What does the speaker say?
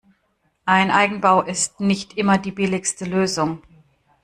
Ein Eigenbau ist nicht immer die billigste Lösung.